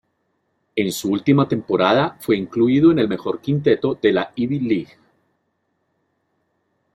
En su última temporada fue incluido en el mejor quinteto de la Ivy League.